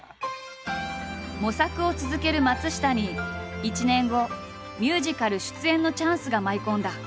模索を続ける松下に１年後ミュージカル出演のチャンスが舞い込んだ。